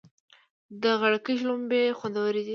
د غړکی شلومبی خوندوری وی.